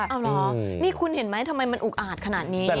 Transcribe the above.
เอาเหรอนี่คุณเห็นไหมทำไมมันอุกอาดขนาดนี้